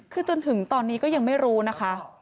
คือจนถึงตอนนี้ก็ยังไม่รู้นะคะ